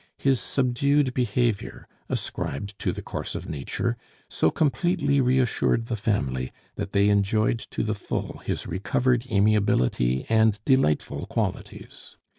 His subdued behaviour, ascribed to the course of nature, so completely reassured the family, that they enjoyed to the full his recovered amiability and delightful qualities.